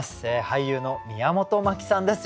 俳優の宮本真希さんです。